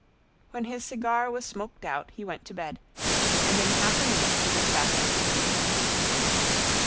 When his cigar was smoked out he went to bed, and in half a minute he was fast asleep.